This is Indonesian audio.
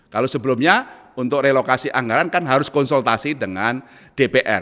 kalau sebelumnya untuk relokasi anggaran kan harus konsultasi dengan dpr